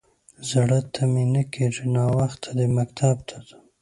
_زړه ته مې نه کېږي. ناوخته دی، مکتب ته ځم.